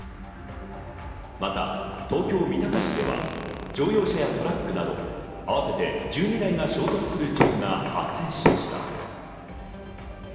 また東京・三鷹市では乗用車やトラックなど合わせて１２台が衝突する事故が発生しました。